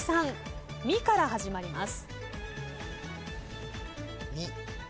「み」から始まります。